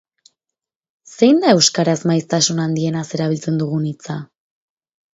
Zein da euskaraz maiztasun handienaz erabiltzen dugun hitza?